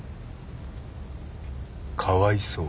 かわいそう？